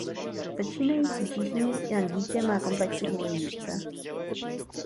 Začínající číšník Jan Dítě má komplexy kvůli výšce.